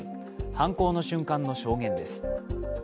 犯行の瞬間の証言です。